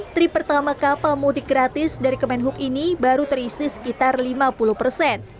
trip pertama kapal mudik gratis dari kemenhub ini baru terisi sekitar lima puluh persen